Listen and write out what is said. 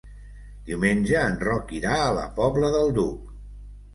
Diumenge en Roc irà a la Pobla del Duc.